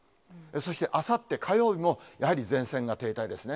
そして、あさって火曜日も、やはり前線が停滞ですね。